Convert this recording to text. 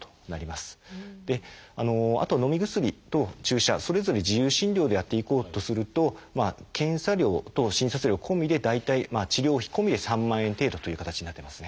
あとのみ薬と注射それぞれ自由診療でやっていこうとすると検査料と診察料込みで大体治療費込みで３万円程度という形になってますね。